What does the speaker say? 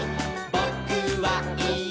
「ぼ・く・は・い・え！